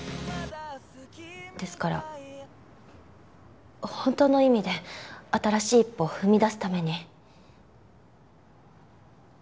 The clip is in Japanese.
ですから本当の意味で新しい一歩を踏み出すために。